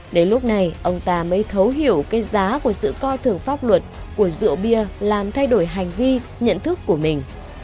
đến lúc này ông ta mới thấu hiểu cái giá của sự coi thường pháp luật của rượu bia làm thay đổi hành vi nhận thức của mình